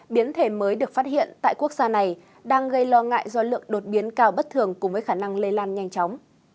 biến thể mới được phát hiện tại quốc gia này đang gây lo ngại do lượng đột biến cao bất thường cùng với khả năng lây lan nhanh chóng